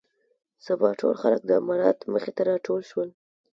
سبا ټول خلک د امارت مخې ته راټول شول.